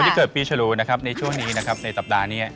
ส่วนที่เกิดปีเชลูอยู่ในช่วงนี้สัปดาห์นี้